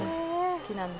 好きなんです。